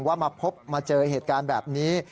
ว่ามาพบมาเจอเหตุการณ์แบบนี้